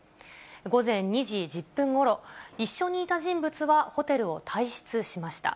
午前２時１０分ごろ、一緒にいた人物はホテルを退室しました。